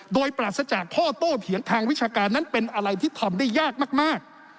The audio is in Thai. โดยปราศจากข้อโต้เถียงทางวิชาการนั้นเป็นอะไรที่ทำได้ยากมาก